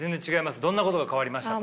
どんなことが変わりましたか？